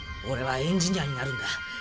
オレはエンジニアになるんだ。